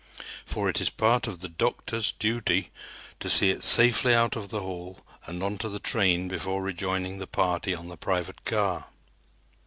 For it is part of the "doctor's" duty to see it safely out of the hall and onto the train before rejoining the party on the private car.